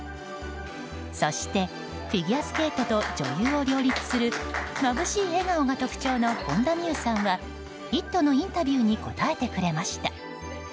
そして、フィギュアスケートと女優を両立するまぶしい笑顔が特徴の本田望結さんは「イット！」のインタビューに答えてくれました。